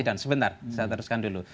dan sebentar saya teruskan dulu